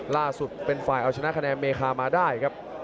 ล่าสุดเป็นฝ่ายชั้นนาคณะเมคามาได้ครับ